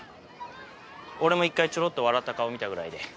俺も１回ちょろっと笑った顔見たぐらいで。